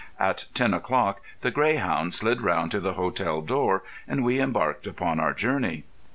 At ten o'clock The Greyhound slid round to the hotel door, and we embarked upon our journey.